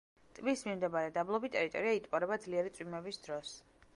ტბის მიმდებარე დაბლობი ტერიტორია იტბორება ძლიერი წვიმების დროს.